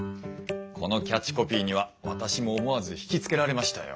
このキャッチコピーには私も思わずひきつけられましたよ。